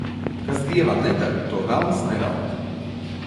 Kas dievam neder, to velns nerauj.